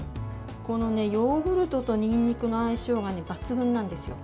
ヨーグルトとにんにくの相性が抜群なんですよ。